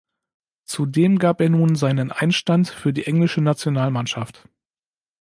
Zudem gab er nun seinen Einstand für die englische Nationalmannschaft.